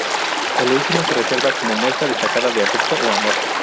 El último se reserva como muestra destacada de afecto o amor.